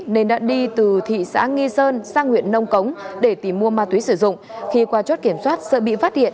nên đã đi từ thị xã nghi sơn sang huyện nông cống để tìm mua ma túy sử dụng khi qua chốt kiểm soát sợ bị phát hiện